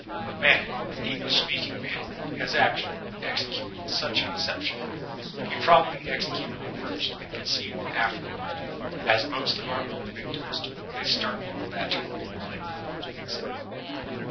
But Man, English speak ing Man, has actually — executed such conception; (he probably executed it first and conceived it afterward, as most of our poor victims do when they start on that terrible blind road through the spelling book).